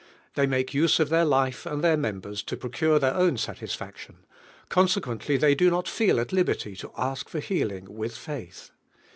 They make use of their life and their members to procure llieir own satisfaction; conse quently they do not feel at liberty to ask fin healing with faith.